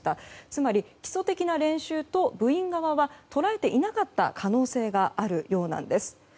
つまり基礎的な練習と部員側は捉えていなかった可能性があるようなんです。